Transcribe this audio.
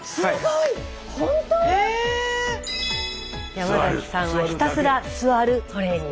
山さんはひたすら座るトレーニング。